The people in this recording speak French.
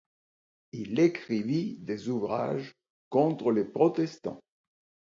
Il écrivit des ouvrages contre les protestants.